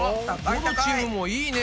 どのチームもいいね。